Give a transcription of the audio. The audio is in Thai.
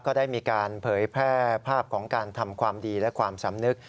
ก็ได้มีการเผยแพร่ภาพของการทำความดีและความสำนึก